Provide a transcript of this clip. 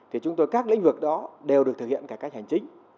thì chúng tôi các lĩnh vực đó đều được thực hiện cải cách hành chính